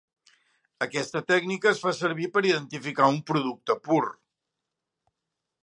Aquesta tècnica es fa servir per identificar un producte pur.